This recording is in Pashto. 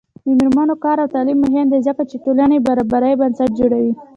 د میرمنو کار او تعلیم مهم دی ځکه چې ټولنې برابرۍ بنسټ جوړوي.